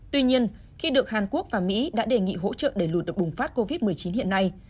tuy nhiên khi được hàn quốc và mỹ đã đề nghị hỗ trợ để lụt được bùng phát covid một mươi chín hiện nay